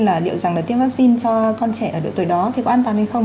là liệu rằng là tiêm vaccine cho con trẻ ở độ tuổi đó thì có an toàn hay không